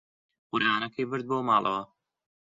قورئانەکەی برد بۆ ماڵەوە.